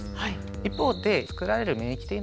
一方で作られる免疫というのは強いと。